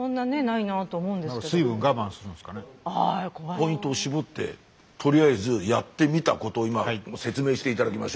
ポイントを絞ってとりあえずやってみたこと今説明して頂きましょう。